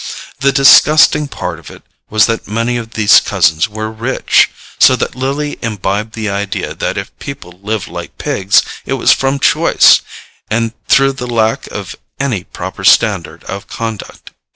The disgusting part of it was that many of these cousins were rich, so that Lily imbibed the idea that if people lived like pigs it was from choice, and through the lack of any proper standard of conduct.